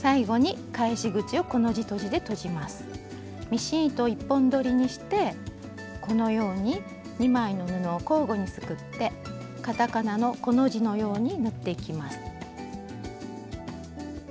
ミシン糸を１本どりにしてこのように２枚の布を交互にすくってカタカナのコの字のように縫っていきます。